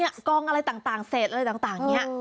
เห้ยกองอะไรต่างเซ็นอะไรต่างเนี่ย